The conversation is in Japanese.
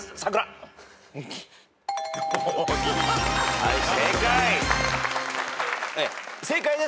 はい正解。